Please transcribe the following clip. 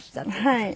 はい。